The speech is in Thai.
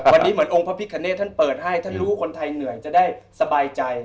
วันนี้เหมือนองค์พระพิคเนธท่านเปิดให้ท่านรู้คนไทยเหนื่อยจะได้สบายใจ